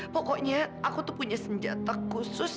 pokoknya aku tuh punya senjata khusus